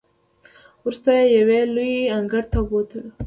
وروسته یې یوې لویې انګړ ته بوتللو.